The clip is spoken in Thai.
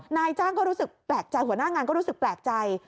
นายจ้างก็รู้สึกแปลกใจหัวหน้างานก็รู้สึกแปลกใจ